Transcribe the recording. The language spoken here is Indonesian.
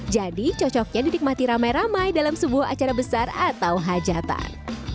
jadi cocoknya dinikmati ramai ramai dalam sebuah acara besar atau hajatan